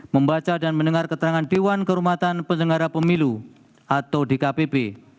membaca dan mendengar keterangan dewan kehormatan penyelenggara pemilu atau dkpp